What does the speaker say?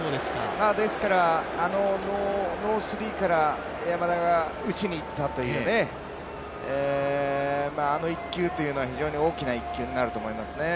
ですからノースリーから山田が打ちにいったというあの１球というのは非常に大きな１球になると思いますね。